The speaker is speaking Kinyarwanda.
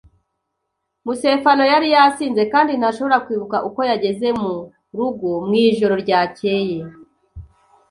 Musefano yari yasinze kandi ntashobora kwibuka uko yageze murugo mwijoro ryakeye.